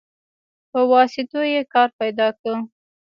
په واسطو يې کار پيدا که.